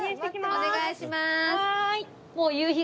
お願いします！